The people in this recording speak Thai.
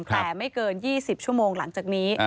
แต่ไม่เกิน๒๐ชั่วโมงหลังจากนี้